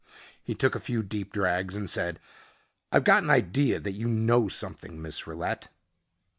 He took a few deep drags and said, "I got an idea that you know something, Miss Rillette."